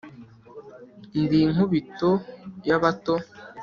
Ndi inkubito y’abato